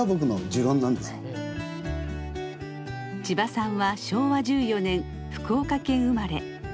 千葉さんは昭和１４年福岡県生まれ。